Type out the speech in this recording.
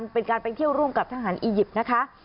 เป็นการไปเที่ยวร่วมกับทหารอียิปต์นะคะ